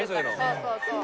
そうそうそう。